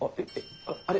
あれ？